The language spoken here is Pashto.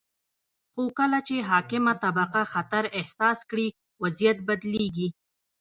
خو کله چې حاکمه طبقه خطر احساس کړي، وضعیت بدلیږي.